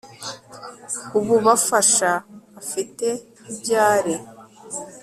ububafasha afite ibyo ari